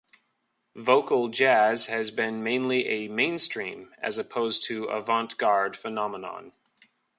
Vocal jazz has been mainly a mainstream, as opposed to "avant-garde," phenomenon.